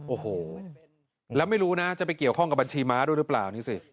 โอ้โหแล้วไม่รู้นะจะไปเกี่ยวข้องกับบัญชีม้าด้วยหรือเปล่านี่สิ